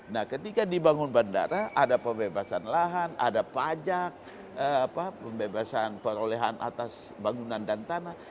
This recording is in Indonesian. nah ketika dibangun bandara ada pembebasan lahan ada pajak pembebasan perolehan atas bangunan dan tanah